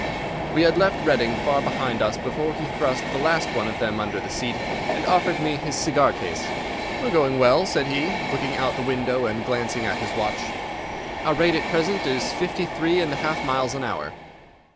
We had left Reading far behind us before he thrust the last one of them under the seat, and offered me his cigar case. "We are going well," said he, looking out the window and glancing at his watch. "Our rate at present is fifty three and a half miles an hour."